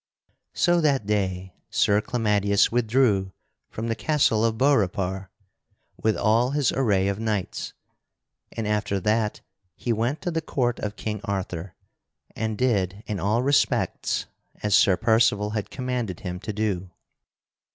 So that day Sir Clamadius withdrew from the castle of Beaurepaire with all his array of knights, and after that he went to the court of King Arthur and did in all respects as Sir Percival had commanded him to do.